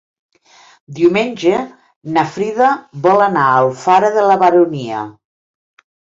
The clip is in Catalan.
Diumenge na Frida vol anar a Alfara de la Baronia.